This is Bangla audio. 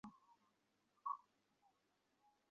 ভূতগুলি ও তাহা হইতে উৎপন্ন সমুদয় বস্তুকে স্থূল বলে।